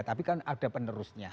tapi kan ada penerusnya